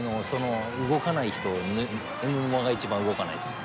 動かない人エムボマが一番動かないっす。